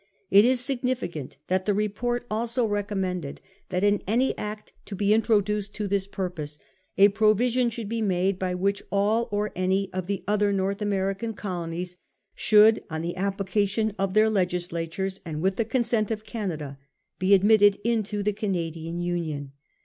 It is significant that the report also recommended that in any act to he introduced for this purpose, a provision should be made by which all or any of the other. North American colonies should on the appli cation of their legislatures and with the consent of Canada be admitted into the Canadian Union.